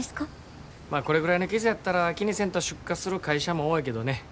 まあこれぐらいの傷やったら気にせんと出荷する会社も多いけどね